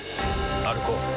歩こう。